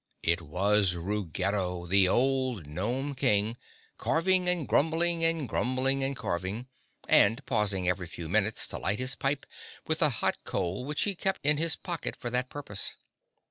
It was Ruggedo, the old Gnome King, carving and grumbling and grumbling and carving, and pausing every few minutes to light his pipe with a hot coal which he kept in his pocket for that purpose.